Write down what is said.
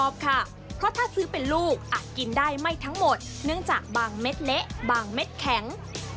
บางเม็ดแข็ง